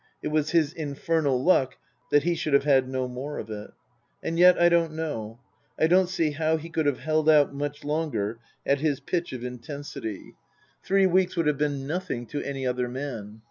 It was his infernal luck that he should have had no more of it. And yet, I don't know. I don't see how he could have held out much longer at his pitch of intensity. Three 302 Tasker Jevons weeks would have been nothing to any other man.